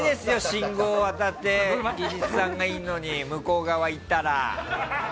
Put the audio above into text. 信号渡って技術さんがいるのに向こう側行ったら。